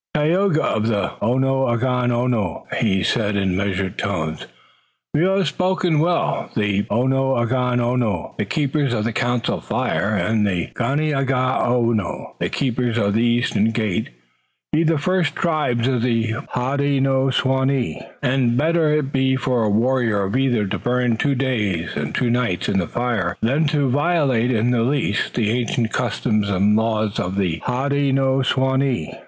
"Tayoga of the Onundagaono," he said in measured tones, "you have spoken well. The Onundagaono, the Keepers of the Council Fire, and the Ganeagaono, the Keepers of the Eastern Gate, be the first tribes of the Hodenosaunee, and better it be for a warrior of either to burn two days and two nights in the fire than to violate in the least the ancient customs and laws of the Hodenosaunee."